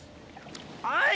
・はい！